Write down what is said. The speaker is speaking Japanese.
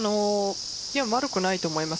悪くないと思います。